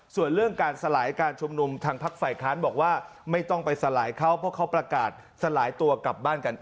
ส่วนเรื่องการสลายการชุมนุมทางพักฝ่ายค้านบอกว่าไม่ต้องไปสลายเขาเพราะเขาประกาศสลายตัวกลับบ้านกัน